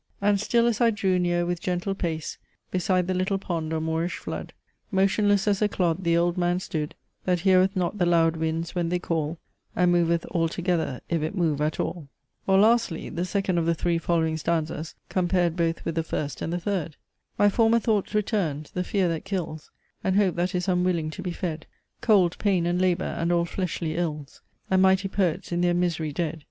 "And, still as I drew near with gentle pace, Beside the little pond or moorish flood Motionless as a Cloud the Old Man stood, That heareth not the loud winds when they call; And moveth altogether, if it move at all." Or lastly, the second of the three following stanzas, compared both with the first and the third. "My former thoughts returned; the fear that kills; And hope that is unwilling to be fed; Cold, pain, and labour, and all fleshly ills; And mighty Poets in their misery dead.